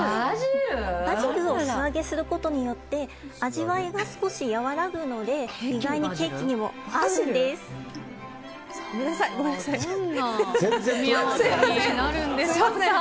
バジルを素揚げすることによって味わいが少し和らぐので意外にケーキにも合うんです。